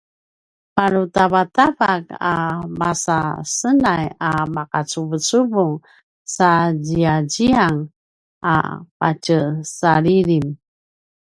parutavatavak a masasenay a ma’acuvucuvung sa ziyaziyan a patjesalilim